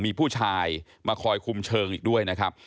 มีผู้ชายมาคอยคุมเชิงอีกด้วยนะครับ